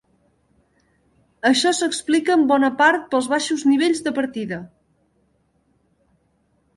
Això s'explica en bona part pels baixos nivells de partida.